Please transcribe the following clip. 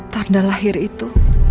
tanda lahir itu